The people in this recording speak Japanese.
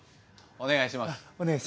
お願いします。